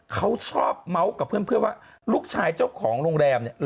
เขาชอบเมาส์กับเพื่อนว่าลูกชายเจ้าของโรงแรมเนี่ย